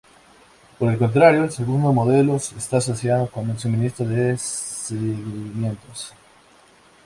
Por el contrario, el segundo modelo sí está asociado con el suministro de sedimentos.